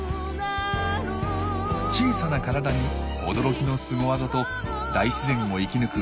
小さな体に驚きのスゴ技と大自然を生き抜く